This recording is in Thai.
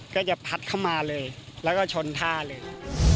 ก็จะพัดเข้ามาเลยแล้วก็ชนท่าเลย